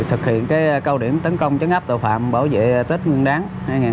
thực hiện câu điểm tấn công chấn áp tàu phạm bảo vệ tết nguyên đáng hai nghìn hai mươi ba